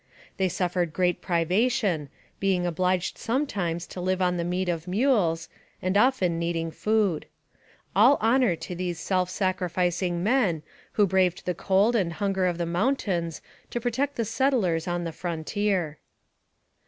They suffered great privation, being obliged some times to live on the meat of mules, and often needing food. All honor to these self sacrificing men, who braved the cold and hunger of the mountains to pro tect the settlers on the frontier.